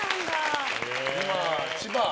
今、千葉に。